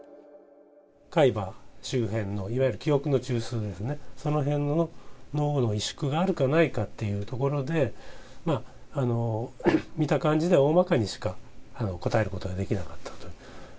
海馬周辺のいわゆる記憶の中枢ですね、その辺の脳の萎縮があるかないかっていうところで、見た感じでは大まかにしか答えることができなかったと。